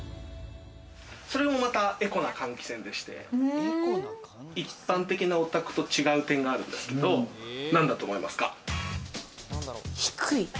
それもまたエコな換気扇でして、一般的なお宅と違う点があるんですけど、何だと思いますか？